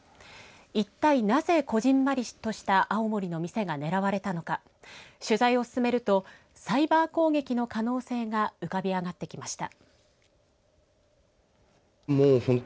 一体なぜ、こじんまりとした青森の店がねらわれたのか取材を進めるとサイバー攻撃の可能性が浮かび上がってきました。